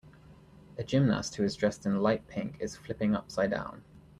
A gymnast who is dressed in light pink is flipping upsidedown.